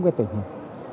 rồi là các thành viên